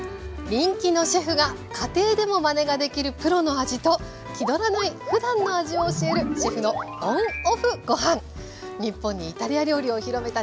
人気のシェフが家庭でもまねができるプロの味と気取らないふだんの味を教える日本にイタリア料理を広めた